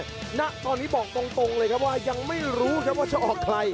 นี่นะตอนนี้บอกตรงเลยว่ายังไม่รู้ว่าจะออกใคร